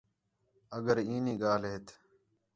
آ کر اینی ڳالھ ہیت